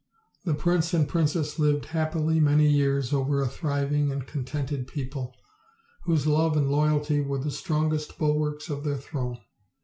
The prince and princess lived happily many years over a thriving and contented people, whose love and loyalty were the strongest bulwarks of their throne.